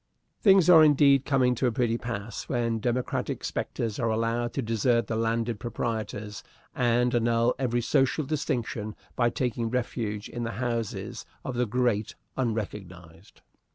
Things are indeed coming to a pretty pass when democratic spectres are allowed to desert the landed proprietors and annul every social distinction by taking refuge in the houses of the great unrecognized.